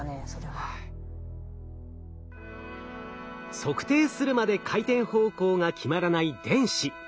測定するまで回転方向が決まらない電子。